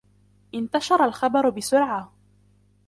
انتشر الخبر بسرعة.